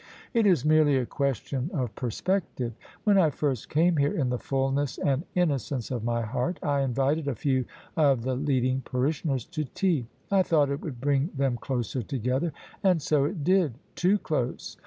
It is merely a question of perspective. When I first came here, in the fulness and innocence of my heart I invited a few of the leading parish ioners to tea: I thought it would bring them closer together: and so it did — ^too close.